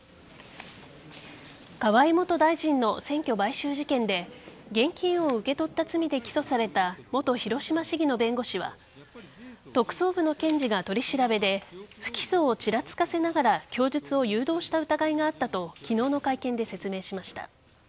河井元大臣の選挙買収事件で現金を受け取った罪で起訴された元広島市議の弁護士は特捜部の検事が、取り調べで不起訴をちらつかせながら供述を誘導した疑いがあったと昨日の会見で説明しました。